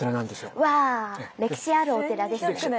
うわ歴史あるお寺ですね。